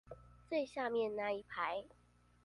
最下面那一排